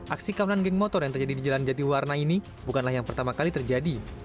aksi kawanan geng motor yang terjadi di jalan jati warna ini bukanlah yang pertama kali terjadi